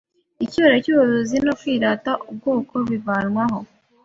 icyubahiro cy’ubuyobozi no kwirata ubwoko bivanwaho.